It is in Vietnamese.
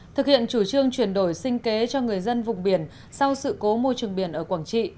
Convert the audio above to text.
thực hiện chủ trương chuyển đổi sinh kế cho người dân vùng biển sau sự cố môi trường biển ở quảng trị